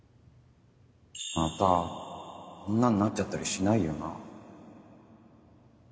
また女になっちゃったりしないよな？